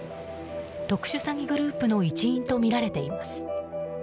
特殊詐欺グループの一員とみられています。